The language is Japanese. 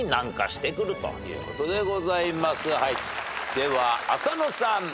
では浅野さん。